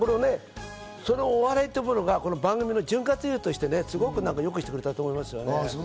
そのお笑いというものが番組の潤滑油として、よくしてくれたと思いますね。